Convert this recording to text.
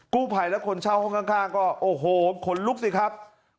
กู้ภัยและคนเช่าห้องข้างก็โอ้โหขนลุกสิครับ